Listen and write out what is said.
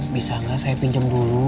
bisa nggak saya pinjam dulu